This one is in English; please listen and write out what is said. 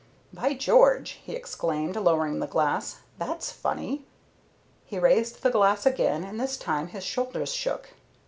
"By George," he exclaimed, lowering the glass, "that's funny." He raised the glass again and this time his shoulders shook.